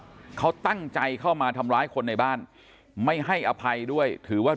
เขาตั้งใจเข้ามาทำร้ายคนในบ้านไม่ให้อภัยด้วยถือว่า